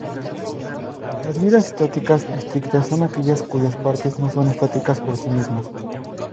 Las vidas estáticas "estrictas" son aquellas cuyas partes no son estáticas por sí mismas.